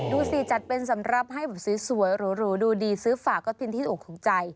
ดูสิจัดเป็นสำหรับให้แบบสวยหรูดูดีซื้อฝากก็กินที่อกถูกใจ